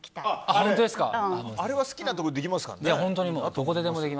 あれは好きなところでできますからね。